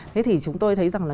thế thì chúng tôi thấy rằng là